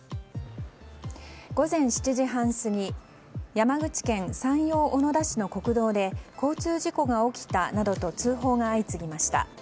午前７時半過ぎ山口県山陽小野田市の国道で交通事故が起きたなどと通報が相次ぎました。